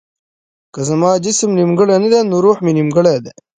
که زما جسم نيمګړی نه دی نو روح مې نيمګړی دی.